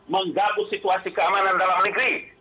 menggabut situasi keamanan dalam negeri